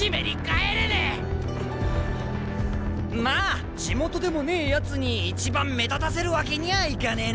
まあ地元でもねえやつに一番目立たせるわけにゃいかねえな。